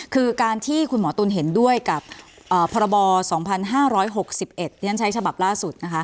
คือการที่คุณหมอตุ๋นเห็นด้วยกับพรบ๒๕๖๑เรียนใช้ฉบับล่าสุดนะคะ